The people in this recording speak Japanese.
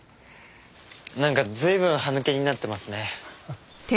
なんか随分歯抜けになってますね。